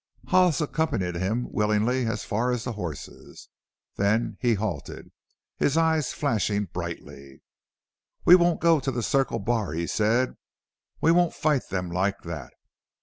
Hollis accompanied him willingly as far as the horses. Then he halted, his eyes flashing brightly. "We won't go to the Circle Bar," he said. "We won't fight them like that.